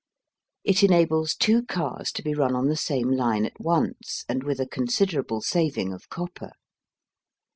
It enables two cars to be run on the same line at once, and with a considerable saving of copper.